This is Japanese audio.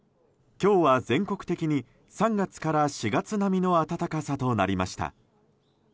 今日は全国的に３月から４月並みの暖かさとなりました。